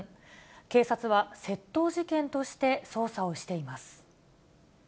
警察は窃盗事件として捜査をしています。